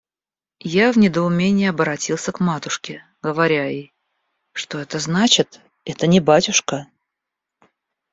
Я в недоумении оборотился к матушке, говоря ей: «Что это значит? Это не батюшка.